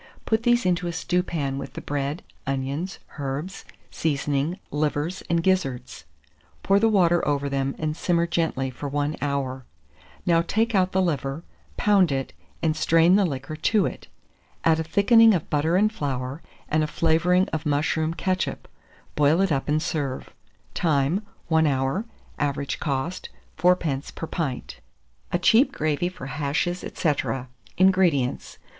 Put these into a stewpan with the bread, onion, herbs, seasoning, livers, and gizzards; pour the water over them and simmer gently for 1 hour. Now take out the liver, pound it, and strain the liquor to it. Add a thickening of butter and flour, and a flavouring of mushroom ketchup; boil it up and serve. Time. 1 hour. Average cost, 4d. per pint. A CHEAP GRAVY FOR HASHES, &c. 440. INGREDIENTS.